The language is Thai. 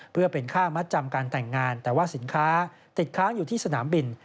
เพื่อเป็นค่ามัดจำการแต่งงานแต่ว่าสินค้าติดค้างอยู่ที่สนามบิน